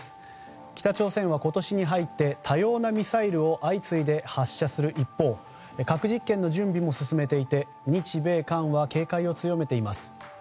北朝鮮は今年に入って多様なミサイルを相次いで発射する一方核実験の準備も進めていて、日米韓は警戒を強めています。